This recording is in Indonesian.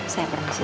saya pergi di sini